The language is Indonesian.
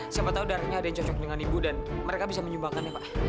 siapa tahu darahnya ada yang cocok dengan ibu dan mereka bisa menyumbangkannya pak